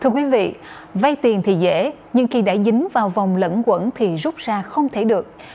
thưa quý vị vay tiền thì dễ nhưng khi đã dính vào vòng lẫn quẩn thì rút ra không thể được